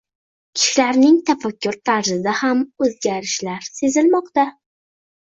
Kishilarning tafakkur tarzida ham o‘zgarishlar sezilmoqda…